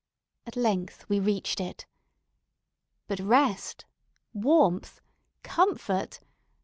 At length we reached it. But, rest! warmth! comfort!